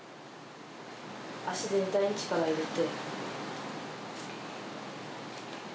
足全体に力入れて。